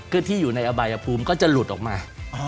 คือที่อยู่ในอบายภูมิก็จะหลุดออกมา